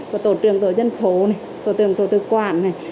của tổ trưởng tổ dân phố này tổ trưởng tổ tự quản này